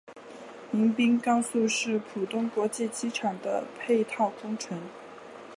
迎宾高速是浦东国际机场的配套工程。